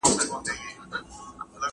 له نیکه مي اورېدلی مناجات د پخوانیو .